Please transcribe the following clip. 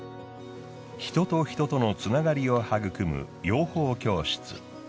人と人とのつながりを育む養蜂教室。